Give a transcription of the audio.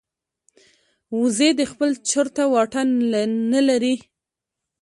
وزې د خپل چرته واټن نه لري